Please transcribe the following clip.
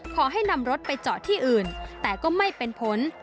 ขอให้นำรถไปจอดที่อื่นแต่ก็ไม่เป็นผล